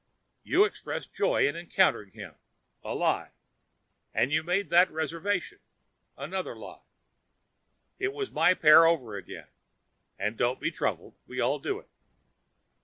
You expressed joy in encountering him—a lie; and you made that reservation—another lie. It was my pair over again. But don't be troubled—we all do it.'